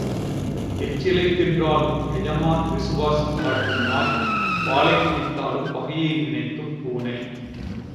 எச்சிலைத் தின்றாலும் எஜமானன் விசுவாசம் காட்டும் நாய் பாலைக் குடித்தாலும் பகையை நினைக்கும் பூனை.